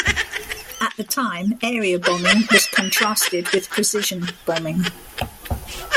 At the time, area bombing was contrasted with precision bombing.